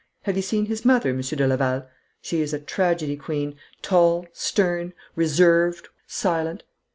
Have you seen his mother, Monsieur de Laval? She is a tragedy queen, tall, stern, reserved, silent.